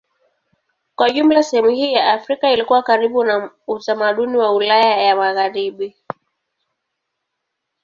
Kwa jumla sehemu hii ya Afrika ilikuwa karibu na utamaduni wa Ulaya ya Magharibi.